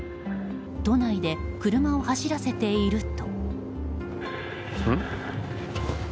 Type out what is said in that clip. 都内で車を走らせていると。